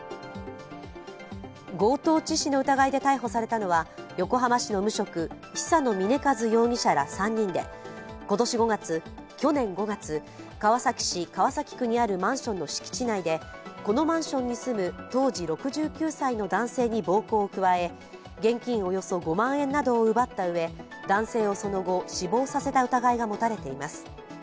強盗致死の疑いで逮捕されたのは、横浜市の無職、久野峰一容疑者ら３人で、去年５月、川崎市川崎区にあるマンションの敷地内でこのマンションに住む当時６９歳の男性に暴行を加え、現金およそ５万円などを奪ったうえ男性をその後、死亡させた疑いが持たれています。